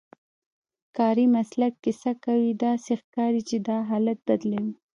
کاري مسلک کیسه کوي، داسې ښکاري چې دا حالت بدلوي.